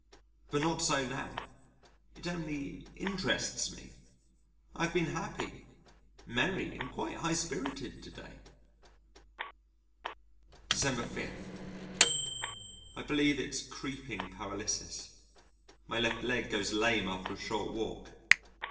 But not so now. It only interests me. I have been happy, merry, and quite high spirited to day. December 5. I believe it's creeping paralysis. My left leg goes lame after a short walk.